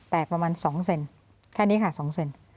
ประมาณ๒เซนแค่นี้ค่ะ๒เซน